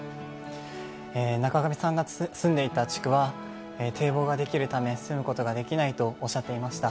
中神さんが住んでいた地区は、堤防が出来るため、住むことができないとおっしゃっていました。